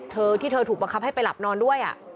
เธอที่เธอถูกบังคับให้ไปหลับนอนด้วย